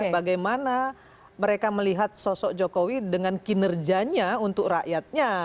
bagaimana mereka melihat sosok jokowi dengan kinerjanya untuk rakyatnya